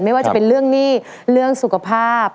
ไม่ว่าจะเป็นเรื่องหนี้เรื่องสุขภาพ